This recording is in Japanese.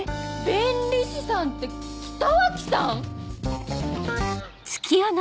弁理士さんって北脇さん